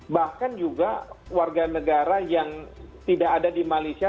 bahkan juga warga negara yang tidak ada di malaysia